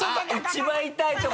一番痛い所。